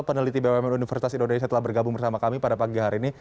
peneliti bumn universitas indonesia telah bergabung bersama kami pada pagi hari ini